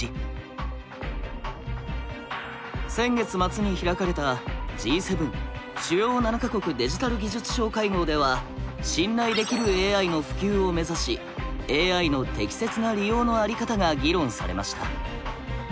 先月末に開かれたＧ７主要７か国デジタル技術相会合では「信頼できるＡＩ」の普及を目指しＡＩの適切な利用の在り方が議論されました。